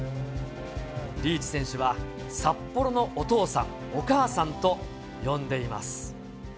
リーチ選手は、札幌のお父さん、お母さんと呼んでいます。